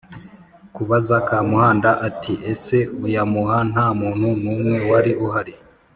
kubaza Kamuhanda bati: “Ese uyamuha nta muntu n’umwe wari uhari